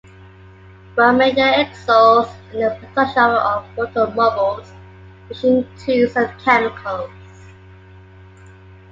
Romania excels in the production of automobiles, machine tools, and chemicals.